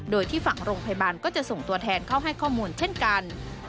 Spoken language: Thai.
โดยที่ฝั่งโรงพยาบาลก็จะส่งตัวแทนเข้าให้ข้อมูลเช่นกัน